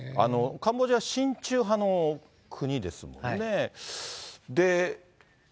カンボジアは親中派の国ですよね。